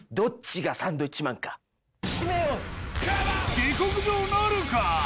下克上なるか？